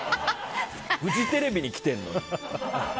フジテレビに来てんのに！